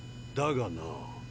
だがな。